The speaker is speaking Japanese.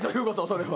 それは。